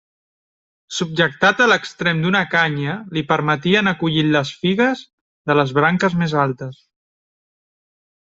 Subjectat a l'extrem d'una canya, li permetia anar collint les figues de les branques més altes.